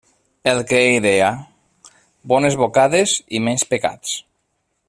El que ell deia: «bones bocades i menys pecats».